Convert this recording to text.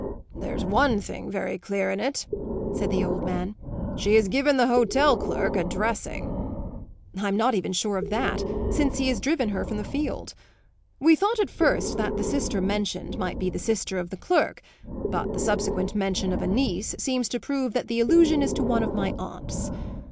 "There's one thing very clear in it," said the old man; "she has given the hotel clerk a dressing." "I'm not sure even of that, since he has driven her from the field. We thought at first that the sister mentioned might be the sister of the clerk; but the subsequent mention of a niece seems to prove that the allusion is to one of my aunts.